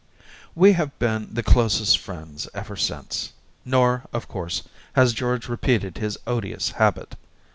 We have been the closest friends over since, nor, of course, has George repeated his odious habit.